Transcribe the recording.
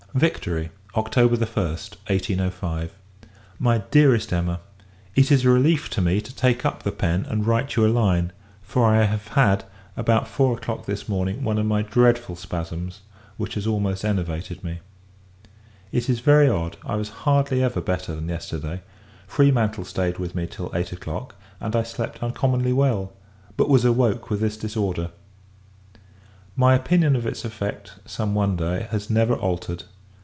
Victory, October 1st, 1805. MY DEAREST EMMA, It is a relief to me, to take up the pen, and write you a line; for I have had, about four o'clock this morning, one of my dreadful spasms, which has almost enervated me. It is very odd! I was hardly ever better than yesterday. Freemantle stayed with me till eight o'clock, and I slept uncommonly well; but, was awoke with this disorder. My opinion of its effect, some one day, has never altered.